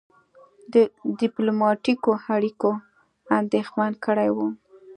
ډيپلوماټیکو اړیکو اندېښمن کړی وو.